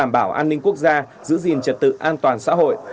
bảo an ninh quốc gia giữ gìn trật tự an toàn xã hội